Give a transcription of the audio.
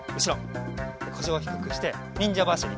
でこしをひくくしてにんじゃばしりいくぞ。